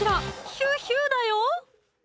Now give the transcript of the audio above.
「ヒューヒューだよ！」